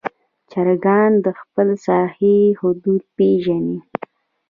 چرګان د خپل ساحې حدود پېژني.